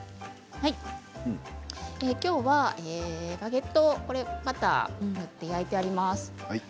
今日はバゲットバターを塗って焼いてあります。